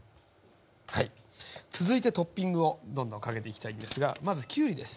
続いてトッピングをどんどんかけていきたいんですがまずきゅうりです。